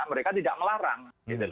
mereka tidak melarang